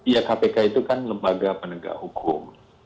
ya kpk itu kan lembaga penegak hukum